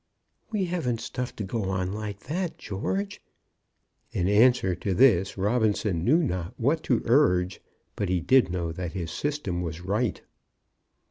"We haven't stuff to go on like that, George." In answer to this, Robinson knew not what to urge, but he did know that his system was right.